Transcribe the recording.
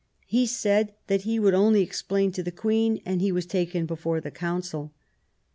He said that he would only explain to the Queen, and he was taken before the Council.